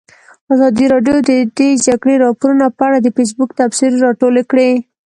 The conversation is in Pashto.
ازادي راډیو د د جګړې راپورونه په اړه د فیسبوک تبصرې راټولې کړي.